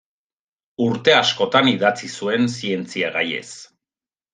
Urte askotan idatzi zuen zientzia gaiez.